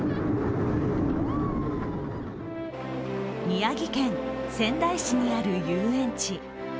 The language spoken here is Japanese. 宮城県仙台市にある遊園地。